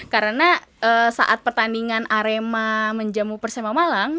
karena saat pertandingan arema menjemuh persema malang